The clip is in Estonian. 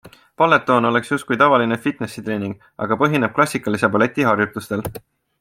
Balletone oleks justkui tavaline fitnessitreening, aga põhineb klassikalise balleti harjutustel.